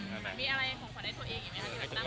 มีอะไรของขวัญให้ตัวเองอีกไหมครับ